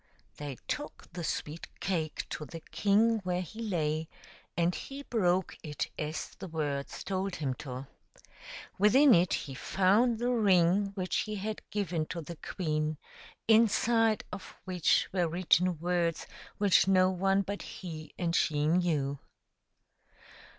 They took the sweet cake to the king where he lay, and he broke it as the words told him to. Within it he found the ring which he had given to the queen, inside of which were written words which no one but he and she knew.